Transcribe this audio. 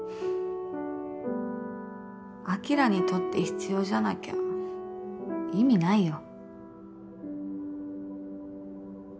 晶にとって必要じゃなきゃ意味ないよ。